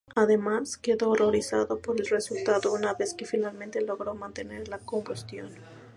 Además, quedó horrorizado por el resultado una vez que finalmente logró mantener la combustión.